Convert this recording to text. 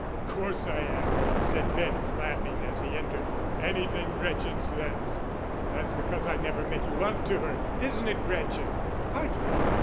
"Of course I am," said Bent, laughing, as he entered, "anything Gretchen says. That's because I never made love to her, isn't it, Gretchen?" "Partly.